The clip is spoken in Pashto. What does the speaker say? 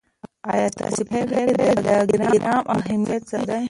ایا تاسې پوهېږئ د ګرامر اهمیت څه دی؟